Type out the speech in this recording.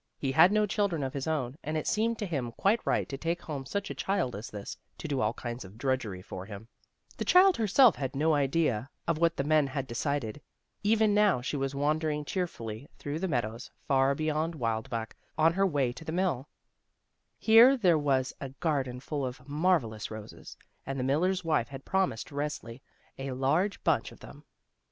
He had no children of his own, and it seemed to him quite right to take home such a child as this, to do all kinds of drudgery for him. The child herself had no idea of what the men " Tou have given me the most beautiful one of all.'''' SORROW MOTHER NO LONGER 51 had decided. Even now she was wandering cheerfully through the meadows, far beyond Wildbach on her way to the mill. Here there was a garden full of marvellous roses, and the mUler's wife had promised Resli a large bunch of them.